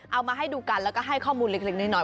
เอามาให้ดูกันแล้วก็ให้ข้อมูลเล็กน้อย